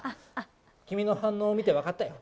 君の反応をみてわかったよ。